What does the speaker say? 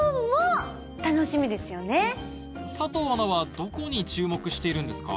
佐藤アナはどこに注目しているんですか？